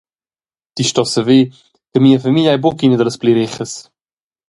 Ti stos saver che mia famiglia ei buc ina dallas pli rehas.